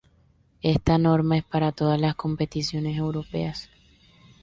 Esta norma es para todas las competiciones europeas.